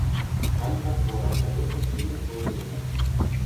Ванька когораквлӓ докы шӱмӹн ылде гӹнят